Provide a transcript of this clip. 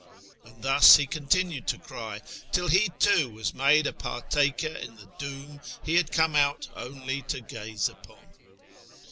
" And thus he continued to cry till he too was made a partaker in the doom he had come out only to gaze upon.